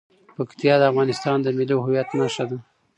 پکتیا د افغانستان د ملي هویت نښه ده.